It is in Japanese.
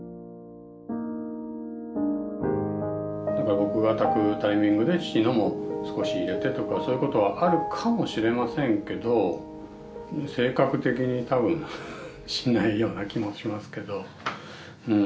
僕が焚くタイミングで父のも少し入れてとかそういうことはあるかもしれませんけど性格的に多分しないような気もしますけどうん